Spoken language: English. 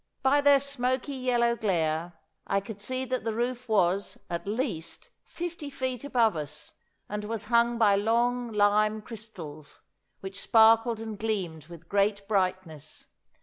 By their smoky yellow glare I could see that the roof was, at least, fifty feet above us, and was hung by long lime crystals, which sparkled and gleamed with great brightness.